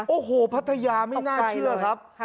โอ้โหพัทยาไม่น่าเชื่อครับ